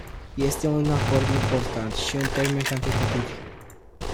Este un acord important și în termeni cantitativi.